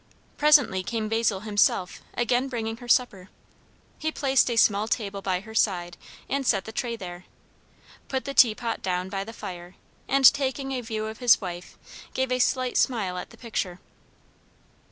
Presently came Basil himself, again bringing her supper. He placed a small table by her side and set the tray there; put the teapot down by the fire; and taking a view of his wife, gave a slight smile at the picture.